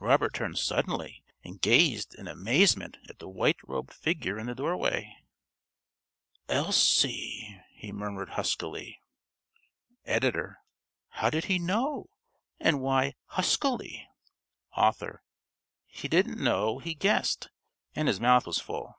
Robert turned suddenly, and gazed in amazement at the white robed figure in the doorway. "Elsie," he murmured huskily. (~Editor.~ How did he know? And why "huskily"? ~Author.~ _He didn't know, he guessed. And his mouth was full.